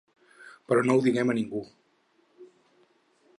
Però no ho diguem a ningú.